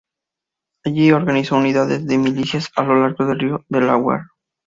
Allí organizó unidades de milicias a lo largo del río Delaware.